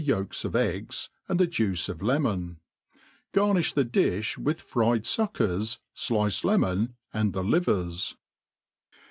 yolk3 of eggs, and the juice of lemon; gjtfuii^ |jie diib. with fried fuckers,, diced femon, and the livery.